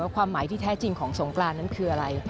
ความหมายที่แท้จริงของสงกรานนั้นคืออะไร